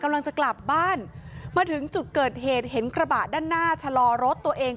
มาถึงจุดเกิดเหตุเห็นกระบาดด้านหน้าชะลอรถตัวเอง